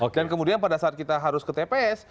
dan kemudian pada saat kita harus ke tps